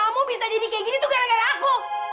kamu bisa jadi kayak gini tuh gara gara aku